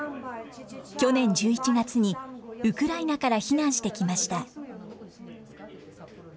去年１１月にウクライナから避難してきました。